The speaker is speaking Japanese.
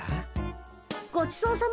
ごちそうさま。